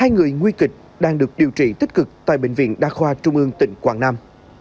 một mươi người nguy kịch đang được điều trị tích cực tại bệnh viện đa khoa trung ương tỉnh quảng nam